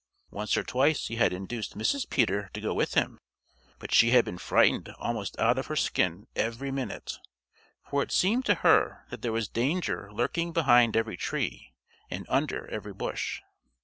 Once or twice he had induced Mrs. Peter to go with him, but she had been frightened almost out of her skin every minute, for it seemed to her that there was danger lurking behind every tree and under every bush.